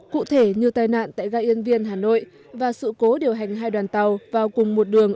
cụ thể như tai nạn tại ga yên viên hà nội và sự cố điều hành hai đoàn tàu vào cùng một đường